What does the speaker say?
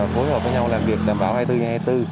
phối hợp với nhau làm việc đảm bảo hai mươi bốn h hai mươi bốn